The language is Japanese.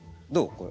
これ。